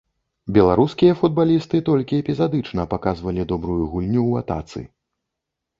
Беларускія футбалісты толькі эпізадычна паказвалі добрую гульню ў атацы.